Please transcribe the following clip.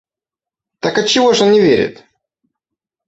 Так отчего ж он не верит?